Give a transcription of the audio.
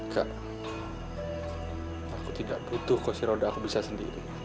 kak aku tidak butuh kursi roda aku bisa sendiri